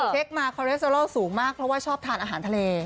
เช็คมาคอเลสเตอโลสูงมากเพราะว่าชอบทานอาหารทะเล